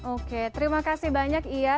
oke terima kasih banyak iya